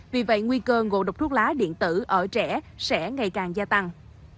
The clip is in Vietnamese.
vì vậy nguy cơ ngộ độc thuốc lá điện tử ở trẻ sẽ ngày càng gia tăng